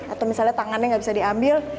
atau misalnya tangannya nggak bisa diambil